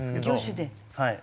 はい。